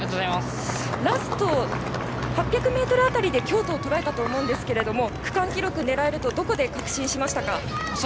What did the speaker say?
ラスト８００ｍ辺りで京都をとらえたと思うんですけども区間記録を狙えるとどこで確信しましたか？